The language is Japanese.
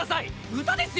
歌ですよ